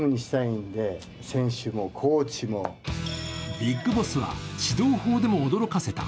ビッグボスは指導法でも驚かせた。